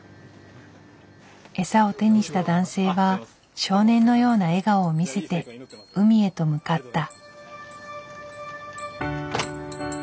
エサを手にした男性は少年のような笑顔を見せて海へと向かった。